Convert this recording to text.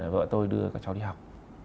vợ tôi đưa các cháu đi học